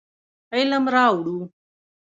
علم راوړو.